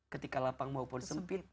ketika lapang maupun sempit